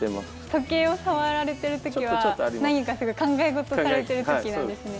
時計を触られてるときは、何か考え事されてるときなんですね。